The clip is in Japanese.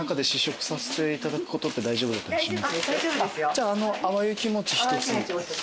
じゃああのあわゆきもち１つ。